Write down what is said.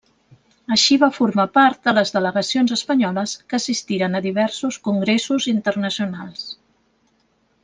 Així va formar part de les delegacions espanyoles que assistiren a diversos congressos internacionals.